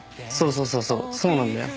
そうそうそうそうなんだよ。